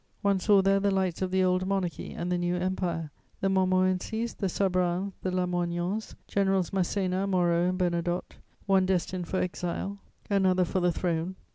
One saw there the lights of the old Monarchy and the new Empire: the Montmorencys, the Sabrans, the Lamoignons, Generals Masséna, Moreau and Bernadotte; one destined for exile, another for the throne.